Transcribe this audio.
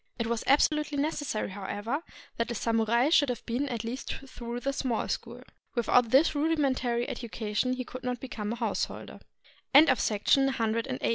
It was absolutely necessary, however, that a samurai should have been at least through the Small School. Without this rudimentary education he could not become a householder. HOW TO LEARN JAPANESE BY REV. M.